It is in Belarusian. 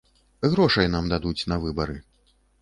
Грошай нам дадуць на выбары.